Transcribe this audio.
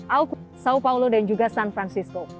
aukun sao paulo dan juga san francisco